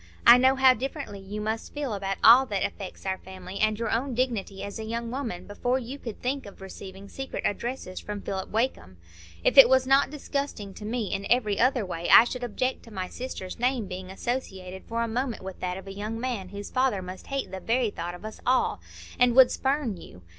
I know how differently you must feel about all that affects our family, and your own dignity as a young woman, before you could think of receiving secret addresses from Philip Wakem. If it was not disgusting to me in every other way, I should object to my sister's name being associated for a moment with that of a young man whose father must hate the very thought of us all, and would spurn you.